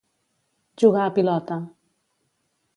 Jugar a pilota.